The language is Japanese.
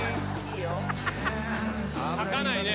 書かないね！